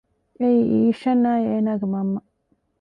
އެއީ އީޝަންއާއި އޭނަގެ މަންމަ